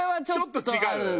ちょっと違う？